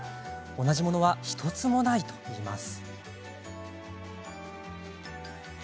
同じものは１つもないといいます。